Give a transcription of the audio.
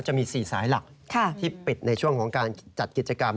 จะมี๔สายหลักที่ปิดในช่วงของการจัดกิจกรรม